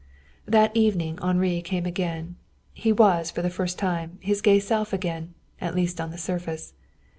That evening Henri came again. He was, for the first time, his gay self again at least on the surface.